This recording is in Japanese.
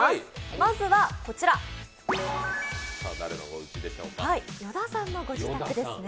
まずはこちら、与田さんのご自宅ですね。